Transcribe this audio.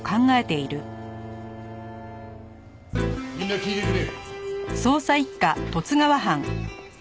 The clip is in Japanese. みんな聞いてくれ。